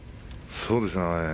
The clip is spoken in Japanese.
そうですね。